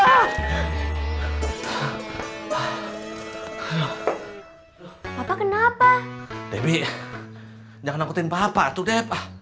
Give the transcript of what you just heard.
ah ah ah ah ah ah apa apa kenapa lebih jangan nangkutin bapak tuh depah